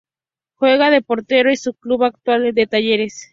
Juega de portero y su club actual es Talleres.